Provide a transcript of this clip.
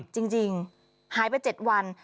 จริงหายไป๗วัน